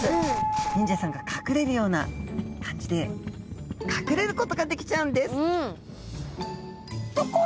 忍者さんが隠れるような感じで隠れることができちゃうんです！